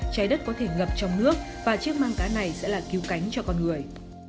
trái đất có thể ngập trong nước và chiếc mang cá này sẽ là cứu cánh cho con người